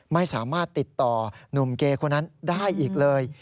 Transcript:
ไม่สามารถติดต่อหนุ่มเกย์คนนั้นได้อีกเลย